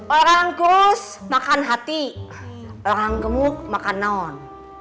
orang kus makan hati orang gemuk makan non